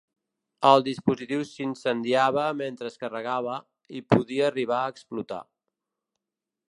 El dispositiu s’incendiava mentre es carregava, i podia arribar a explotar.